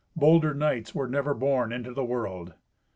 Bolder knights were never born into the world."